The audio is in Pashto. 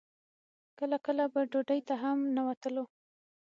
کله کله به ډوډۍ ته هم نه وتلو.